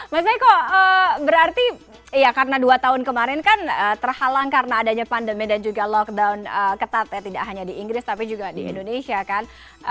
mas eko berarti ya karena dua tahun kemarin kan terhalang karena adanya pandemi dan juga lockdown ketat ya tidak hanya di inggris tapi juga di indonesia kan